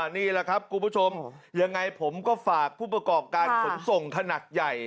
นี่แหละครับคุณผู้ชมยังไงผมก็ฝากผู้ประกอบการขนส่งขนาดใหญ่